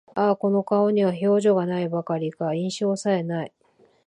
ああ、この顔には表情が無いばかりか、印象さえ無い